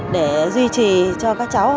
để duy trì cho các cháu